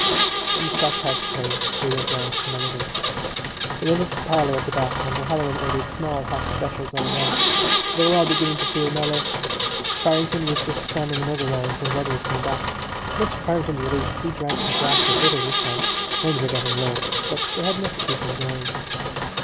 When the Scotch House closed they went round to Mulligan's. They went into the parlour at the back and O'Halloran ordered small hot specials all round. They were all beginning to feel mellow. Farrington was just standing another round when Weathers came back. Much to Farrington's relief he drank a glass of bitter this time. Funds were getting low but they had enough to keep them going.